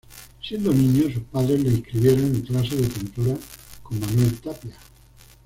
Siendo niño, sus padres lo inscribieron en clases de pintura con Manuel Tapia.